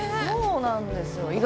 そうなんですよ。